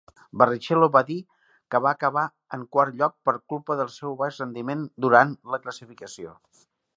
Barrichello va dir que va acabar en quart lloc per culpa del seu baix rendiment durant la classificació.